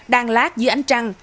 đang lát dưới ánh trăng